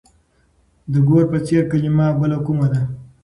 د ګور په څېر کلمه بله کومه ده؟